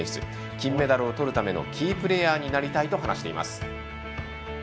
金メダルをとるためのキープレーヤーになりたいと話しています。